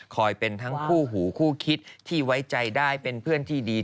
เป็นทั้งคู่หูคู่คิดที่ไว้ใจได้เป็นเพื่อนที่ดี